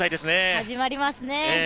始まりますね。